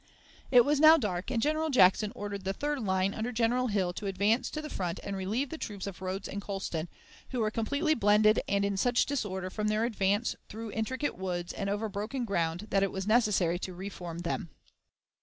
It was now dark, and General Jackson ordered the third line under General Hill to advance to the front and relieve the troops of Rodes and Colston, who were completely blended and in such disorder from their advance through intricate woods and over broken ground that it was necessary to reform them.